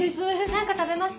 何か食べます？